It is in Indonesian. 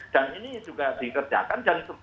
dan ini juga dikerjakan dan